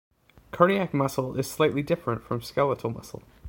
Cardiac muscle is slightly different from skeletal muscle.